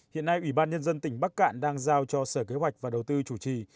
hiện nay ủy ban nhân dân tỉnh bắc cạn đang giao cho sở kế hoạch và đầu tư chủ trì